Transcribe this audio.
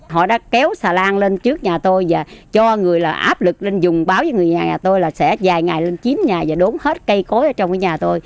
họ đã kéo xà lan lên trước nhà tôi và cho người là áp lực lên dùng báo với người nhà tôi là sẽ dài ngày lên chín nhà và đốn hết cây cối ở trong nhà tôi